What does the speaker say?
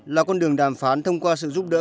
là con đường đàm phán thông qua sự giúp đỡ